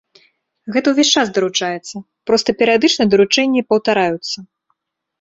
Гэта ўвесь час даручаецца, проста перыядычна даручэнні паўтараюцца.